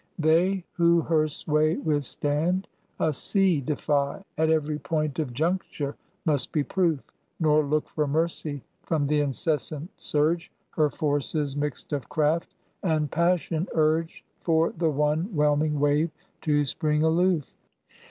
They who her sway withstand a sea defy, At every point of juncture must be proof; Nor look for mercy from the incessant surge Her forces mixed of craft and passion urge For the one whelming wave to spring aloof.